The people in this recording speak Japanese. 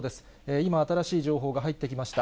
今、新しい情報が入ってきました。